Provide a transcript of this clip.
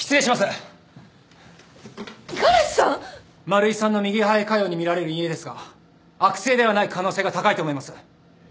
丸井さんの右肺下葉に見られる陰影ですが悪性ではない可能性が高いと思います。